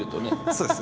そうです